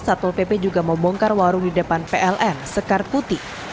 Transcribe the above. satpol pp juga membongkar warung di depan pln sekar putih